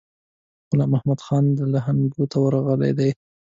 غلام محمدخان لکنهو ته ورغلی دی.